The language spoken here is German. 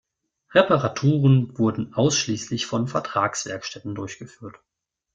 Reparaturen wurden ausschließlich von Vertragswerkstätten durchgeführt.